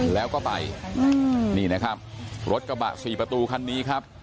แล้วก็ไปนี่นะครับรถกระบะสี่ประตูคันนี้ครับ